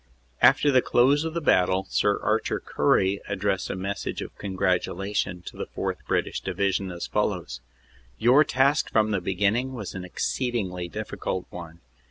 After the close of the battle Sir Arthur Currie addressed a message of congratulation to the 4th. British Division, as fol lows: "Your task from the beginning was an exceedingly difficult one.